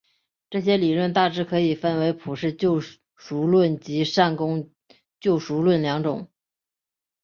这些理论大致可以分为普世救赎论及善功救赎论两种。